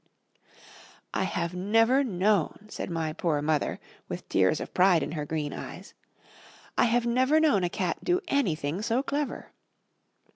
"I have never known," said my poor mother with tears of pride in her green eyes "I have never known a cat do anything so clever."